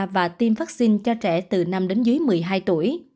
và tiêm vaccine cho trẻ từ năm đến dưới một mươi hai tuổi